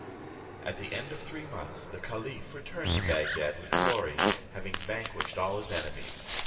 At the end of three months the caliph returned to Bagdad with glory, having vanquished all his enemies.